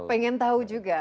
pengen tahu juga